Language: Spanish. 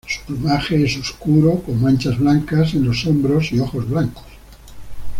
Su plumaje es oscuro con manchas blancas en los hombros y ojos blancos.